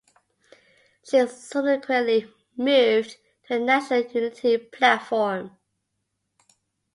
She subsequently moved to the National Unity Platform.